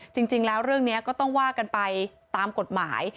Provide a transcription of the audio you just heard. จริงแล้วเรื่องนี้ก็ต้องว่ากันไปตามกฎหมาย